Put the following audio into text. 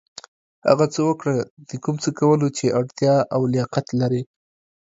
هغه څه وکړه د کوم څه کولو چې وړتېا او لياقت لرٸ.